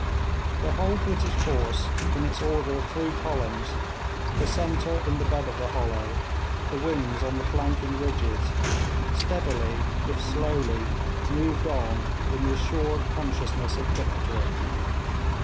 The whole British force, in its order of three columns, the centre in the bed of the hollow, the wings on the flanking ridges, steadily if slowly moved on in the assured consciousness of victory.